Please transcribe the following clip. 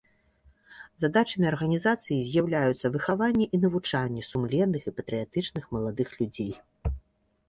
Задачамі арганізацыі з'яўляюцца выхаванне і навучанне сумленных і патрыятычных маладых людзей.